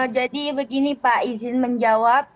jadi begini pak izin menjawab